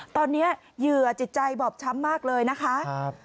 ตอนนี้เหยื่อจิตใจบอบช้ำมากเลยนะคะ